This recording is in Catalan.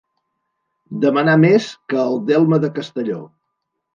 Demanar més que el delme de Castelló.